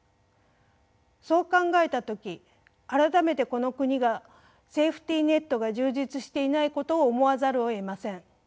そう考えた時改めてこの国がセーフティーネットが充実していないことを思わざるをえません。